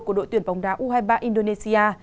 của đội tuyển bóng đá u hai mươi ba indonesia